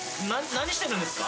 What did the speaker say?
何してるんですか？